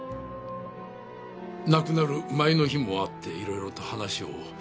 亡くなる前の日も会って色々と話を。